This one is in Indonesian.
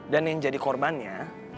dan yang jadi korbannya